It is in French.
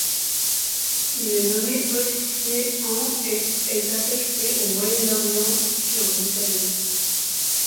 Il est nommé officier en et est affecté au Moyen-Orient puis en Italie.